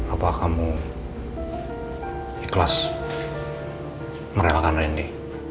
apa kamu ikhlas merelakan lendi